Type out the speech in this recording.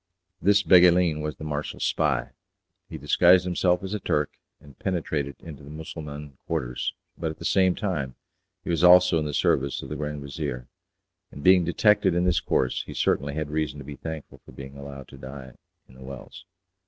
This Beguelin was the marshal's spy. He disguised himself as a Turk, and penetrated into the Mussulman quarters, but at the same time he was also in the service of the Grand Vizier, and being detected in this course he certainly had reason to be thankful for being allowed to die in The Wells.